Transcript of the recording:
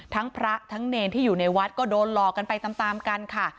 ทั้งพระทั้งเนรที่อยู่ในวัดก็โดนหลอกกันไปตามกันค่ะ